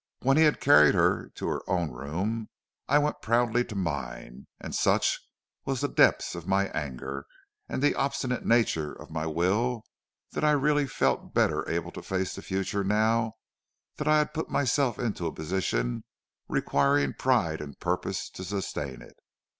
When he had carried her to her own room, I went proudly to mine, and such was the depth of my anger and the obstinate nature of my will that I really felt better able to face the future now that I had put myself into a position requiring pride and purpose to sustain it.